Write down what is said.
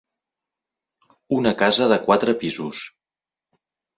Una casa de quatre pisos.